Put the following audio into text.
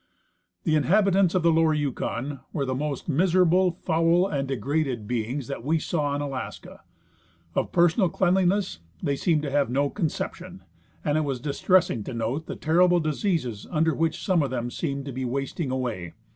The inhabitants of the lower Yukon were the most miserable, foul and degraded beings that we saw in Alaska. Of personal cleanliness they seem to have no conception, and it was distress ing to note the terrible diseases under which some of them seemed to be wasting away.